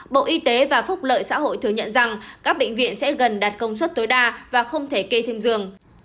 bộ y tế và phúc lợi xã hội thừa nhận rằng các bệnh viện sẽ gần đạt công suất tối đa và không thể kê thêm giường